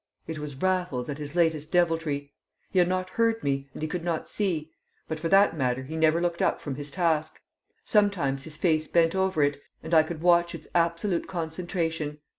It was Raffles at his latest deviltry. He had not heard me, and he could not see; but for that matter he never looked up from his task. Sometimes his face bent over it, and I could watch its absolute concentration.